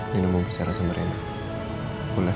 nino mau bicara sama rena boleh